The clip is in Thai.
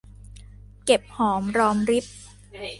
เก็บหอมรอมริบ